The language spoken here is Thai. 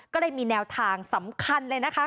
ก็เลยมีแนวทางสำคัญเลยนะคะ